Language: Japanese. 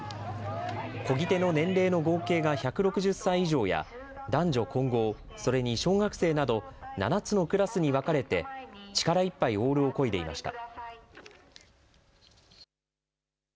こぎ手の年齢の合計が１６０歳以上や男女混合、それに小学生など７つのクラスに分かれて力いっぱいオールをこいでいました。